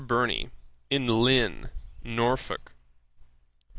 BURNEY, IN LYNNE, NORFOLK.